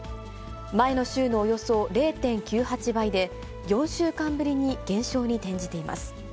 前の週のおよそ０．９８倍で、４週間ぶりに減少に転じています。